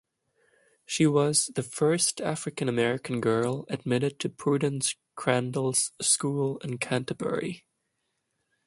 She was the first African-American girl admitted to Prudence Crandall's school in Canterbury.